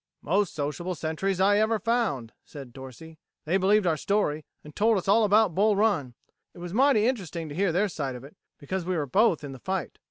"Most sociable sentries I ever found," said Dorsey. "They believed our story, and told us all about Bull Run. It was mighty interesting to hear their side of it, because we were both in the fight."